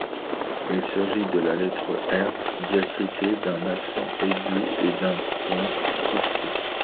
Il s’agit de la lettre R diacritée d’un accent aigu et d’un point souscrit.